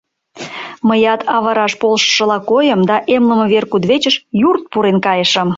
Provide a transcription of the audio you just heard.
Мыят авыраш полшышыла койым да эмлыме вер кудывечыш юрт пурен кайышым.